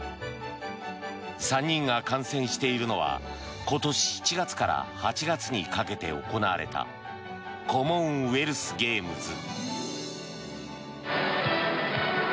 ３人が観戦しているのは今年７月から８月にかけて行われたコモンウェルスゲームズ。